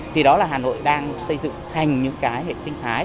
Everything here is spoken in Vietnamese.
thì đó là hà nội đang xây dựng thành những cái hệ sinh thái